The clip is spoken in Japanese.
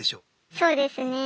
そうですね。